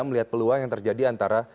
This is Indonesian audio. melihat peluang yang terjadi antara